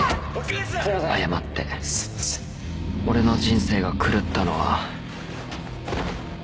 ［俺の人生が狂ったのは］